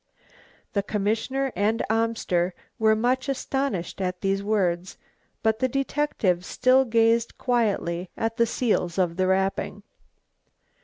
The commissioner and Amster were much astonished at these words, but the detective still gazed quietly at the seals of the wrapping.